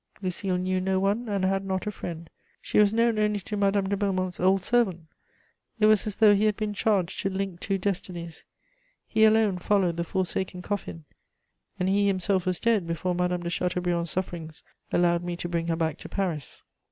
Lucile knew no one and had not a friend; she was known only to Madame de Beaumont's old servant: it was as though he had been charged to link two destinies. He alone followed the forsaken coffin, and he himself was dead before Madame de Chateaubriand's sufferings allowed me to bring her back to Paris.